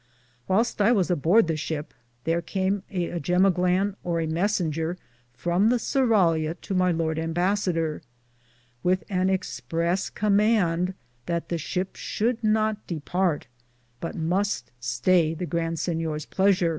Whyleste I was aborde the shipp, thar came a jemoglane or a messenger from the surralia to my lord imbassador, with an express comand that the shipp should not departe, but muste stay the Grand Sinyores pleasur.